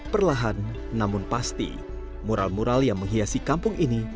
perlahan namun pasti mural mural yang menghiasi kampung ini